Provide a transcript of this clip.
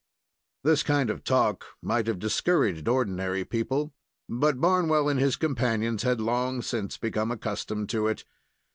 This kind of talk might have discouraged ordinary people, but Barnwell and his companions had long since become accustomed to it.